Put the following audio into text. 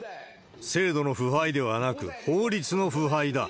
制度の腐敗ではなく、法律の腐敗だ。